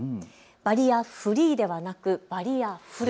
バリアフリーではなくバリアフル。